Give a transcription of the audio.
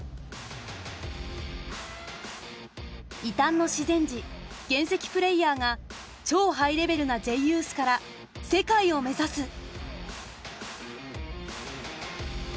「異端の自然児『原石』プレーヤーが超ハイレベルな『Ｊユース』から『世界』を目指す！」。